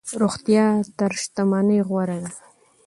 روغتيا تر شتمنۍ غوره ده.